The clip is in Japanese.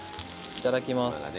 いただきます。